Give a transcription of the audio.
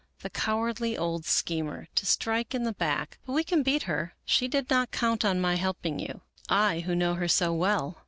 " The cowardly old schemer, to strike in the back ; but we can beat her. She did not count on my helping you — I, who know her so well."